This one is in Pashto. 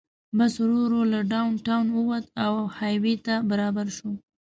بس ورو ورو له ډاون ټاون ووت او های وې ته برابر شو.